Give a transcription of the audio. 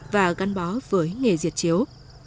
và gắn bó với nghề diệt chiếu